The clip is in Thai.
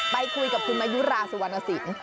ไปคุยกับคุณมายุราสุวรรณสิน